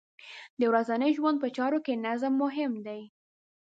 د ورځنۍ ژوند په چارو کې نظم مهم دی.